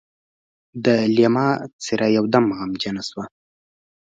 د ليلما څېره يودم غمجنه شوه.